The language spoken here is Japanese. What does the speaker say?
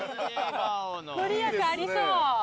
御利益ありそう。